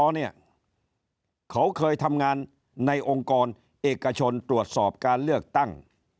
เขาเคยทำงานในองค์กรเอกชนตรวจสอบการเลือกตั้ง